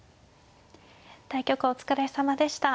対局お疲れさまでした。